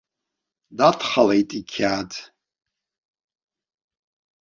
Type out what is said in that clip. Дадхалеит иқьаад.